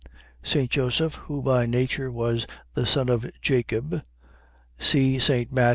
. .St. Joseph, who by nature was the son of Jacob, (St. Matt.